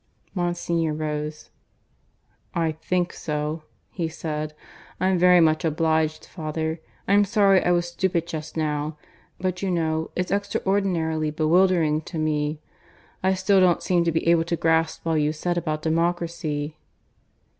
Monsignor rose. "I think so," he said. "I'm very much obliged, Father. I'm sorry I was stupid just now; but you know it's extraordinarily bewildering to me. I still don't seem to be able to grasp all you said about Democracy."